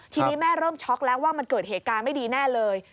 ทีนี้แม่เริ่มช็อกแล้วว่ามันเกิดเหตุการณ์ไม่ดีแน่เลย